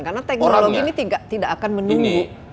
karena teknologi ini tidak akan menunggu